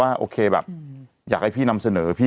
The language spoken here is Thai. โอเคแบบอยากให้พี่นำเสนอพี่